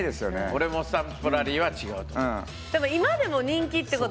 俺もスタンプラリーは違うと思う。